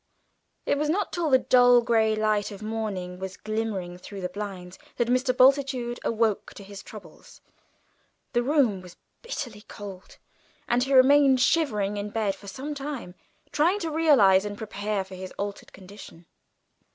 It was not till the dull grey light of morning was glimmering through the blinds that Mr. Bultitude awoke to his troubles. The room was bitterly cold, and he remained shivering in bed for some time, trying to realise and prepare for his altered condition.